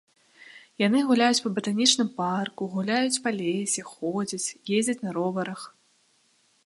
Яны гуляюць па батанічным парку, гуляюць па лесе, ходзяць, ездзяць на роварах.